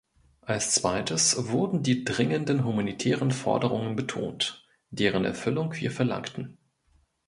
Als zweites wurden die dringenden humanitären Forderungen betont, deren Erfüllung wir verlangten.